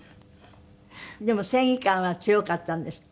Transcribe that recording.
でも正義感は強かったんですって？